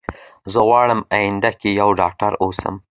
زه غواړم اينده کي يوه ډاکتره اوسم